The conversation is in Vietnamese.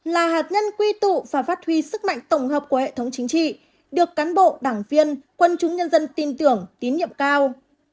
là hạt nhân quy tụ và phát huy sức mạnh tổng hợp của hệ thống chính trị được cán bộ đảng viên quân chúng nhân dân tin tưởng tín nhiệm cao